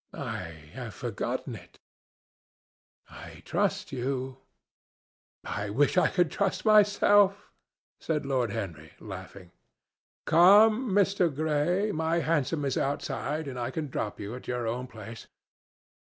"I have forgotten it." "I trust you." "I wish I could trust myself," said Lord Henry, laughing. "Come, Mr. Gray, my hansom is outside, and I can drop you at your own place.